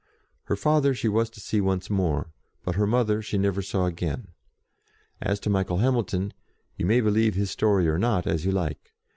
Her father she was to see once more, her mother she never saw again. As to Michael Hamilton, you may be lieve his story or not, as you like.